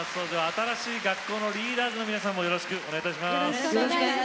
新しい学校のリーダーズの皆さんもよろしくお願いします。